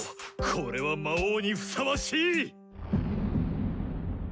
これは魔王にふさわしい！